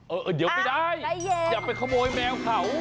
เออเดี๋ยวไม่ได้อย่าไปขโมยแมวเขา